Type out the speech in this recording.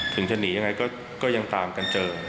ถึงจะหนียังไงก็ยังตามกันเจอ